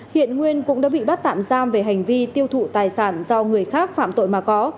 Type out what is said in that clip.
hiện nguyên cũng đã bị bắt tạm giam về hành vi tiêu thụ tài sản do người khác phạm tội mà có